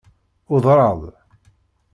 Udreɣ-d.